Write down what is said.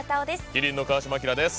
麒麟の川島明です。